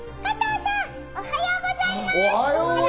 加藤さん、おはようございます！